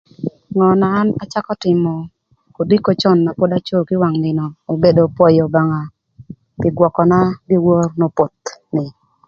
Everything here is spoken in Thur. Ngö na an acakö tïmö kodiko cön na an pod aco kï wang nïnö obedo pwöyö Obanda pï gwököna dyewor n'opoth angec ni.